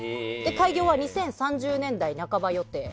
開業は２０３０年代半ば予定。